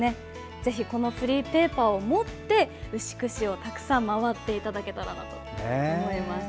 ぜひこのフリーペーパーを持って牛久市をたくさん回っていただけたらと思います。